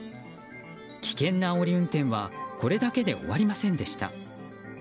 危険なあおり運転はこれだけで終わりませんでした。